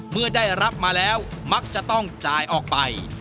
เมื่อได้รับมาแล้วมักจะต้องจ่ายออกไป